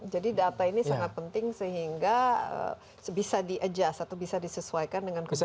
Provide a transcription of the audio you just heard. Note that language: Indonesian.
jadi data ini sangat penting sehingga bisa di adjust atau bisa disesuaikan dengan kebutuhan